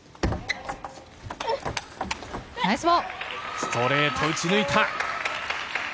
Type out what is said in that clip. ストレート、打ち抜いた！